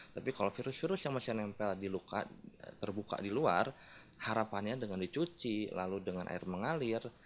tapi kalau virus virus yang masih nempel terbuka di luar harapannya dengan dicuci lalu dengan air mengalir